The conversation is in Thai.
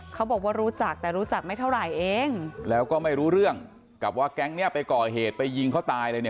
เขาบอกว่ารู้จักแต่รู้จักไม่เท่าไหร่เองแล้วก็ไม่รู้เรื่องกับว่าแก๊งเนี้ยไปก่อเหตุไปยิงเขาตายเลยเนี่ย